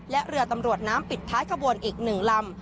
และเรือตำรวจน้ำปิดท้ายขบวนอีก๑ลำ